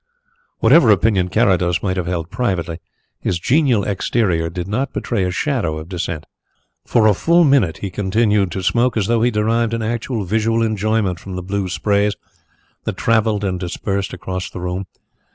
Whatever opinion Carrados might have held privately, his genial exterior did not betray a shadow of dissent. For a full minute he continued to smoke as though he derived an actual visual enjoyment from the blue sprays that travelled and dispersed across the room.